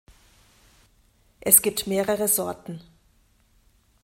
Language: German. Es gibt mehrere Sorten.